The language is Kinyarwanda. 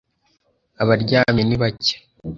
Abaryamye ni bake